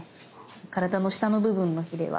体の下の部分のヒレは。